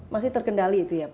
masih terkendali itu ya pak